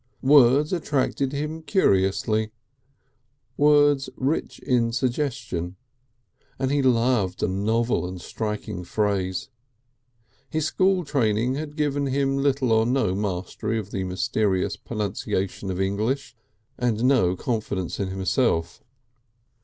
Words attracted him curiously, words rich in suggestion, and he loved a novel and striking phrase. His school training had given him little or no mastery of the mysterious pronunciation of English and no confidence in himself.